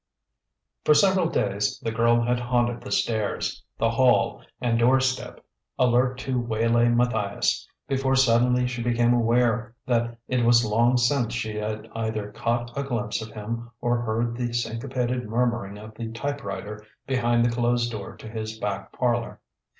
XI For several days the girl had haunted the stairs, the hall, and door step, alert to waylay Matthias, before suddenly she became aware that it was long since she had either caught a glimpse of him or heard the syncopated murmuring of the typewriter behind the closed door to his back parlour.